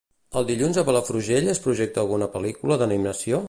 El dilluns a Palafrugell es projecta alguna pel·lícula d'animació?